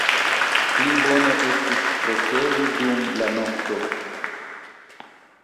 Pli bone estis procedi dum la nokto.